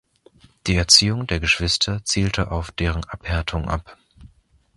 Die Erziehung der Geschwister zielte auf deren Abhärtung ab.